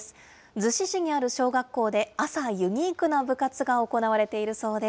逗子市にある小学校で、朝ユニークな部活が行われているそうです。